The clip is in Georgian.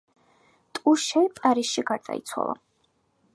ტუშე პარიზში გარდაიცვალა.